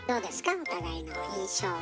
お互いの印象は。